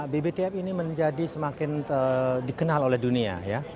bbtf ini menjadi semakin dikenal oleh dunia